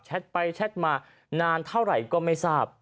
ไปแชทมานานเท่าไหร่ก็ไม่ทราบ